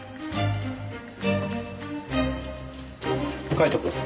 カイトくん。